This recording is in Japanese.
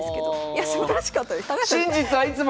いやすばらしかったです。